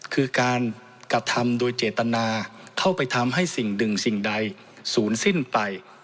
คือการกระทำโดยเจตนาเข้าไปทำให้สิ่งหนึ่งสิ่งใดศูนย์สิ้นไป